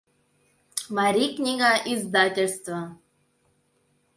МАРИЙ КНИГА ИЗДАТЕЛЬСТВО